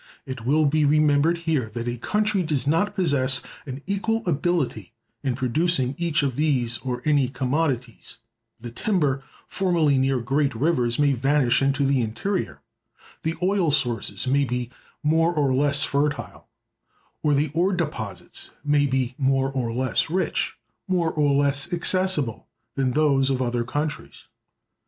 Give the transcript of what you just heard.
It will be remembered, here, that a country does not possess an equal ability in producing each of these or any commodities: the timber formerly near great rivers may vanish into the interior; the oil sources may be more or less fertile; or the ore deposits may be more or less rich, more or less accessible, than those of other countries.